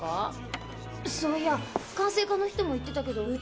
そういや管制課の人も言ってたけど。